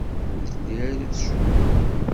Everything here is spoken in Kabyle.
Ur telli ara tcennu.